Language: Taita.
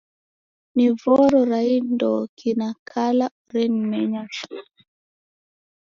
Ni voro ra indoki na kala orenimenya shuu?